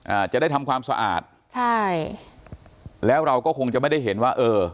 อ่าจะได้ทำความสะอาดใช่แล้วเราก็คงจะไม่ได้เห็นว่าเออ